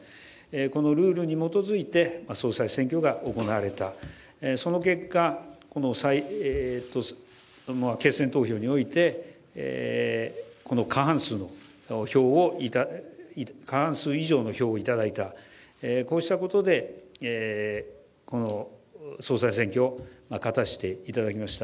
このルールに基づいて総裁選挙が行われた、その結果、決選投票において過半数以上の票をいただいた、こうしたことで総裁選挙、勝たせていただきました。